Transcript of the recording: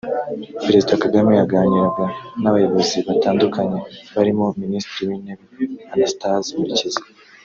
Perezida Kagame yaganiraga n’abayobozi batandukanye barimo Minisitiri w’Intebe Anastase Murekezi